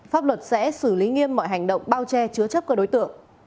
pháp luật sẽ xử lý nghiêm mọi hành động bao che chứa chấp các đối tượng